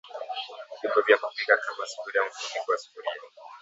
vyombo vya kupika kama Sufuria mfuniko wa sufuria